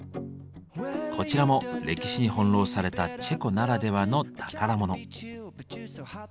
こちらも歴史に翻弄されたチェコならではの宝物。